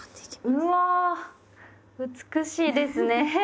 うわ美しいですね。